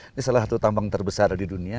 ini salah satu tambang terbesar di dunia